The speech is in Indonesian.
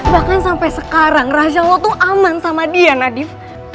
bahkan sampai sekarang rahasia lo tuh aman sama dia nadif